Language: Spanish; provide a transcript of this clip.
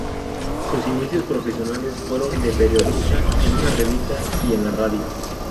Sus inicios profesionales fueron de periodista en una revista y en la radio.